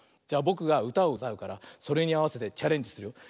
じゃぼくがうたをうたうからそれにあわせてチャレンジする。